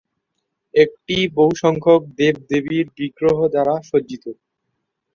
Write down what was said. এটি বহুসংখ্যক দেবদেবীর বিগ্রহ দ্বারা সজ্জিত।